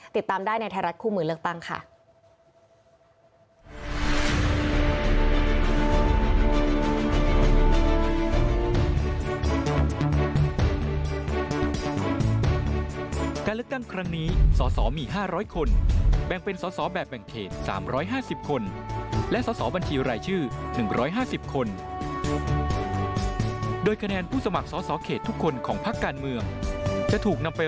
ติดตามได้ในไทยรัฐคู่มือเลือกตั้งค่ะ